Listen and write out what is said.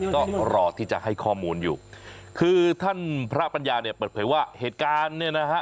ก็รอที่จะให้ข้อมูลอยู่คือท่านพระปัญญาเนี่ยเปิดเผยว่าเหตุการณ์เนี่ยนะฮะ